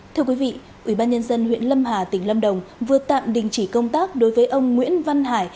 thưa quý vị ubnd huyện lâm hà tỉnh lâm đồng vừa tạm đình chỉ công tác đối với ông nguyễn văn hải